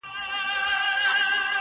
او لوبغاړو سره له حده زیاته مینه لري